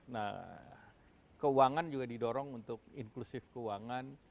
nah keuangan juga didorong untuk inklusif keuangan